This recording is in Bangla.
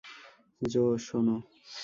জো, শোনো।